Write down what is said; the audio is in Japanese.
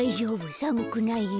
さむくないよ。